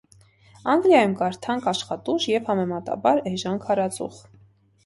Անգլիայում կար թանկ աշխատուժ և համեմատաբար էժան քարածուխ։